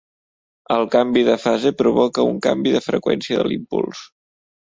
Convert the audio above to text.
El canvi de fase provoca un canvi de freqüència de l'impuls.